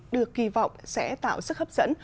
được kỳ vọng sẽ tạo sức hấp dẫn